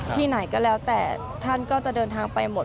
ที่ไหนก็แล้วแต่ท่านก็จะเดินทางไปหมด